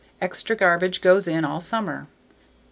Extra garbage goes in all summer.